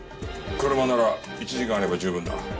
車なら１時間あれば十分だ。